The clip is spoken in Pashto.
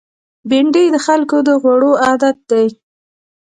بېنډۍ د خلکو د خوړو عادت دی